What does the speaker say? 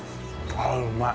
ああうまい！